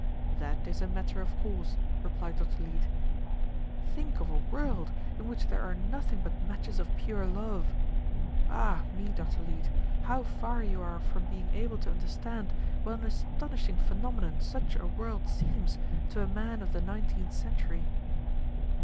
"That is a matter of course," replied Dr. Leete. "Think of a world in which there are nothing but matches of pure love! Ah me, Dr. Leete, how far you are from being able to understand what an astonishing phenomenon such a world seems to a man of the nineteenth century!"